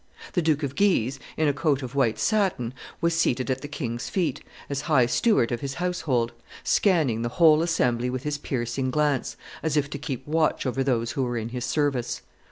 The Duke of Guise, in a coat of white satin, was seated at the king's feet, as high steward of his household, scanning the whole assembly with his piercing glance, as if to keep watch over those who were in his service.